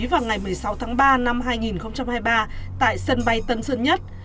vào ngày một mươi sáu tháng ba năm hai nghìn hai mươi ba tại sân bay tân sơn nhất